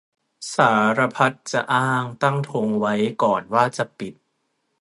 สารพัดจะอ้าง - ตั้งธงไว้ก่อนว่าจะปิด